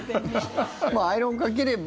まあ、アイロンかければ。